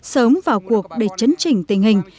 sớm vào cuộc để chấn chỉnh tình hình